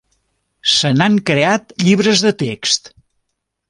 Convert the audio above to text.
Se n'han creat llibres de text.